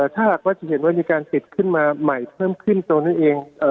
ถ้าหากว่าจะเห็นว่ามีการติดขึ้นมาใหม่เพิ่มขึ้นตรงนั้นเอง